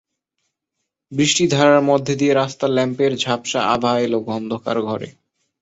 বৃষ্টিধারার মধ্যে দিয়ে রাস্তার ল্যাম্পের ঝাপসা আভা এল অন্ধকার ঘরে।